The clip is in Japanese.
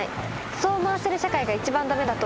そう思わせる社会が一番駄目だと思います。